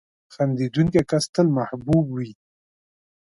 • خندېدونکی کس تل محبوب وي.